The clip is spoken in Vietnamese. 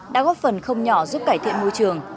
đã góp phần không nhỏ giúp cải thiện môi trường